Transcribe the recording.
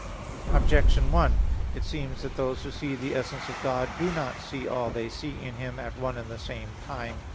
Objection 1: It seems that those who see the essence of God do not see all they see in Him at one and the same time.